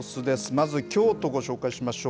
まず、京都ご紹介しましょう。